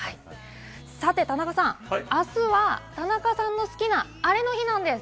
さて田中さん、あすは田中さんの好きなあれの日なんです。